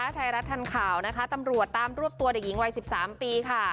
ไทยรัฐทันข่าวนะคะตำรวจตามรวบตัวเด็กหญิงวัย๑๓ปีค่ะ